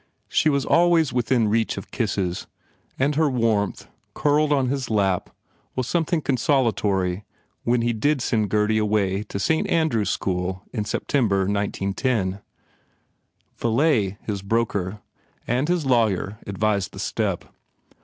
She was always within reach of kisses and her warmth, curled on his lap was something consola tory when he did send Gurdy away to Saint Andrew s School in September 1910. Villay, his broker, and his lawyer advised the step.